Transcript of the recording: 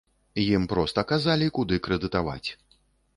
Ім проста казалі, куды крэдытаваць.